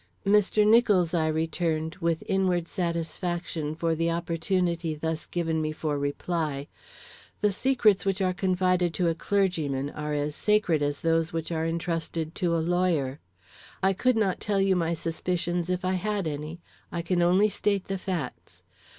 "Mr. Nicholls," I returned, with inward satisfaction for the opportunity thus given me for reply, "the secrets which are confided to a clergyman are as sacred as those which are entrusted to a lawyer. I could not tell you my suspicions if I had any; I can only state the facts.